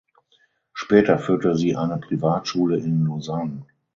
Später führte sie eine Privatschule in Lausanne.